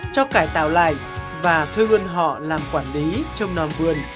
cho cải tạo lại và thuê luôn họ làm quản lý trong non vườn